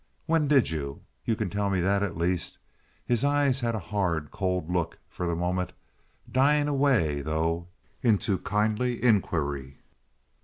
"When did you? You can tell me that, at least." His eyes had a hard, cold look for the moment, dying away, though, into kindly inquiry.